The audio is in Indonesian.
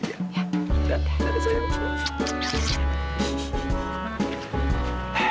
dadah sayang aku